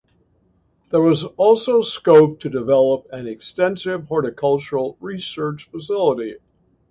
There was also scope to develop an extensive horticultural research facility.